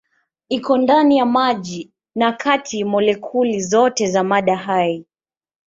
Iko ndani ya maji na katika molekuli zote za mada hai.